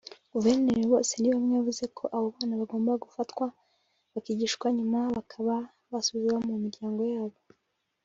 Guverineri Bosenibamwe yavuze ko abo bana bagomba gufatwa bakigishwa nyuma bakaba basubizwa mu miryango yabo